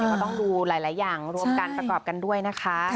ก็ต้องดูหลายอย่างรวมการประกอบกันด้วยนะคะ